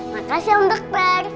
makasih om dokter